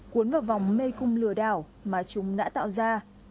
cuốn vào vòng mê cung lừa đảo mà chúng đã tạo ra